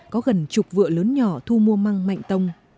có gần chục vựa lớn nhỏ thu mua măng mạnh tông